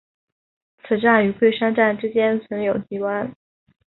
此站与桂山站之间存有急弯。